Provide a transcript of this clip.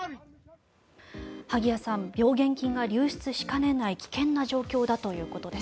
萩谷さん病原菌が流出しかねない危険な状況だということです。